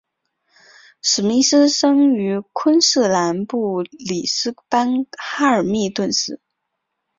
史密斯生于昆士兰布里斯班哈密尔顿市。